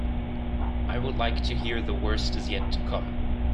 I would like to hear The Worst Is Yet To Come.